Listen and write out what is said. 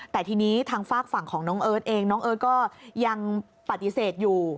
แต่ทีนี้ทางฝากฝั่งของน้องเอิร์ทเองน้องเอิร์ทก็ยังปฏิเสธอยู่